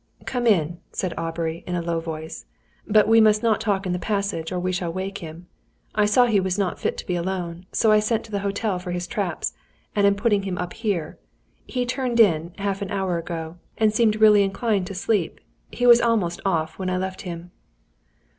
"Come in," said Aubrey, in a low voice; "but we must not talk in the passage or we shall wake him. I saw he was not fit to be alone, so I sent to the hotel for his traps, and am putting him up here. He turned in, half an hour ago, and seemed really inclined to sleep. He was almost off, when I left him."